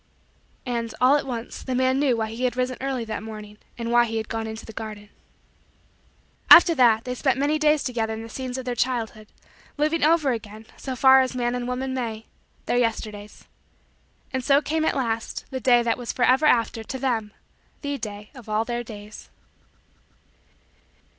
And, all at once, the man knew why he had risen early that morning and why he had gone into the garden. After that, they spent many days together in the scenes of their childhood; living over again, so far as man and woman may, their Yesterdays. And so cane, at last, the day that was forever after, to them, the day of all their days.